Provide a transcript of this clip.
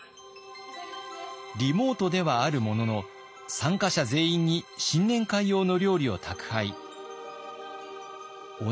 リモートではあるものの参加者全員に新年会用の料理を宅配。